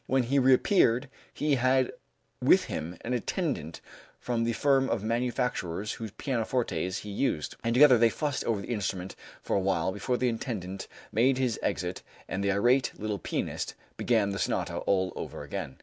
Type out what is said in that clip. When he reappeared, he had with him an attendant from the firm of manufacturers whose pianofortes he used, and together they fussed over the instrument for a while, before the attendant made his exit and the irate little pianist began the sonata all over again.